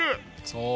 そう。